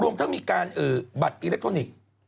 รวมทั้งมีการบัตรอิเล็กทรอนิกส์